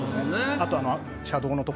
あと。